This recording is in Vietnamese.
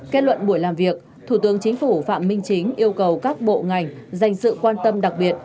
kết luận buổi làm việc thủ tướng chính phủ phạm minh chính yêu cầu các bộ ngành dành sự quan tâm đặc biệt